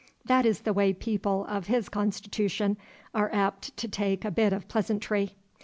That is the way people of his constitution are apt to take a bit of pleasantry.